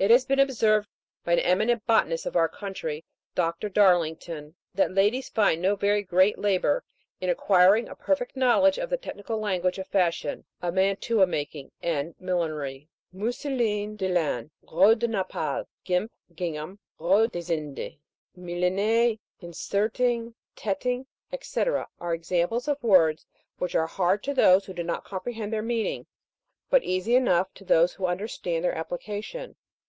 It has been observed by an eminent botanist of our country, Dr. Darlington, that ladies find no very great labour in acquiring a perfect knowledge of the technical language of fashion, of mantua making and millinery. Mousseline de laine, gros de Naples, gimp, gingham, gros des Indes, millenet, inserting, letting, &c. are examples of words which are hard to those who do not comprehend their meaning, but easy enough to those who understand their applica tion.